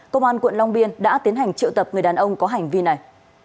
công an quận long biên đã tiến hành triệu tập người đàn ông có hành vi này